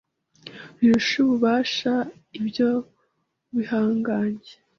rirusha ububasha ibyo bihangange